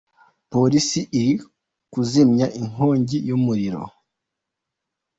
Polisi iri kuzimya iyi nkongi y'umuriro.